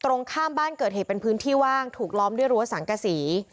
ตรงข้ามบ้านเกิดเหตุเป็นพื้นที่ว่างถูกล้อมด้วยรั้วสังกษี